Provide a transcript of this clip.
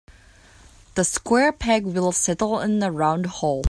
The square peg will settle in the round hole.